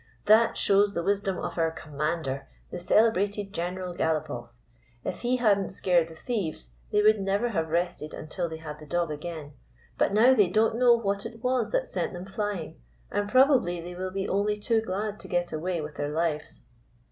"That shows the wisdom of our commander, the celebrated General Galopoff. If he had n't scared the thieves, they would never have rested until they had the dog again; but now they don't know what it was that sent them flying, and probably they will be only too glad to get away with their lives."